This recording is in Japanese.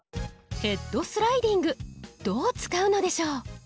「ヘッドスライディング」どう使うのでしょう？